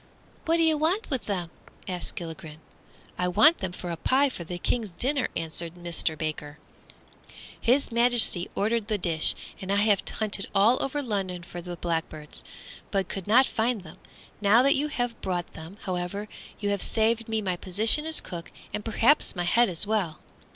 "What do you want with them?" asked Gilligren. "I want them for a pie for the King's dinner," answered Mister Baker; "His Majesty ordered the dish, and I have hunted all over London for the blackbirds, but could not find them. Now that you have brought them, however, you have saved me my position as cook, and perhaps my head as well."